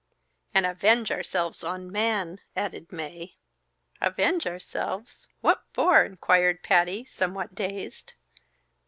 "And avenge ourselves on Man," added Mae. "Avenge ourselves what for?" inquired Patty, somewhat dazed.